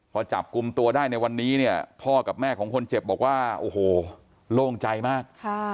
พอจับกลุ่มตัวได้ในวันนี้เนี่ยพ่อกับแม่ของคนเจ็บบอกว่าโอ้โหโล่งใจมาก